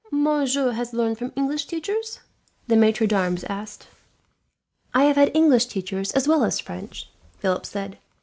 "Monsieur has learned from English teachers?" the maitre d'armes asked. "I have had English teachers as well as French," Philip said.